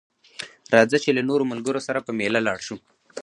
راځه چې له نورو ملګرو سره په ميله لاړ شو